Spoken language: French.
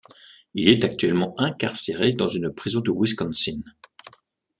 Il est actuellement incarcéré dans une prison du Wisconsin.